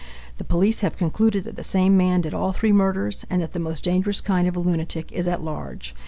The police have concluded that the same man did all three murders and that the most dangerous kind of a lunatic is at large.